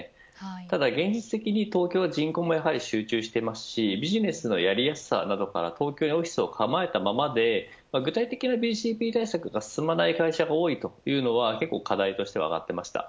ただ現実的に東京には人口が集中していますしビジネスのやりやすさなどから東京にオフィスを構えたままで具体的なＢＣＰ対策が進まない会社が多いというのは課題として挙がっていました。